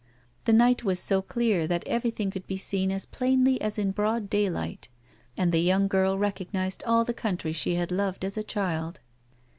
The night was so clear that everything could be seen as plainly as in broad daylight ; and the young girl recognised all the country she had so loved as a child.